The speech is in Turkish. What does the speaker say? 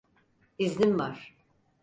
İznim var.